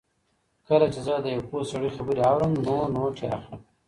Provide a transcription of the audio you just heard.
کله چې زه د یو پوه سړي خبرې اورم نو نوټ یې اخلم.